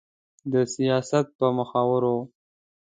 د سياست په مخورو